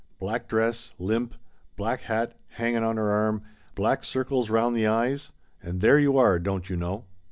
Black dress — limp black hat, hangin' on her arm — black circles rou nd the eyes. And there you are, don't you know."